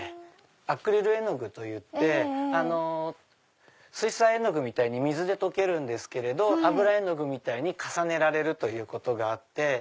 アクリル絵の具といって水彩絵の具みたいに水で溶けるんですけれど油絵の具みたいに重ねられるということがあって。